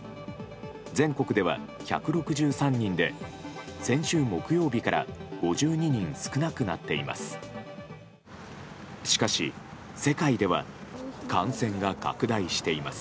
全国では１６３人で先週木曜日から５２人少なくなっています。